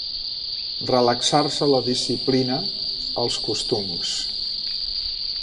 Relaxar-se la disciplina, els costums.